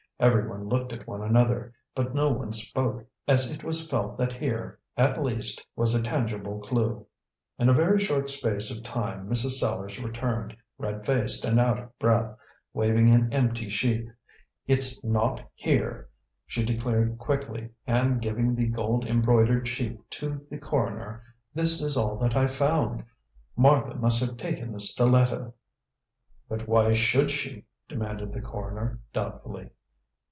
Everyone looked at one another, but no one spoke, as it was felt that here, at least, was a tangible clue. In a very short space of time Mrs. Sellars returned, red faced and out of breath, waving an empty sheath. "It's not here," she declared quickly and giving the gold embroidered sheath to the coroner; "this is all that I found. Martha must have taken the stiletto." "But why should she?" demanded the coroner, doubtfully.